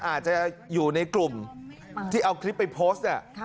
อาจจะอยู่ในกลุ่มที่เอาคลิปไปโพสต์